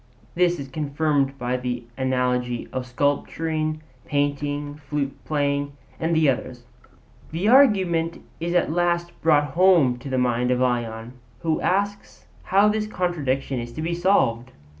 This is confirmed by the analogy of sculpture, painting, flute playing, and the other arts. The argument is at last brought home to the mind of Ion, who asks how this contradiction is to be solved.